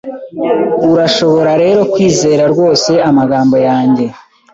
Urashobora rero kwizera rwose amagambo yanjye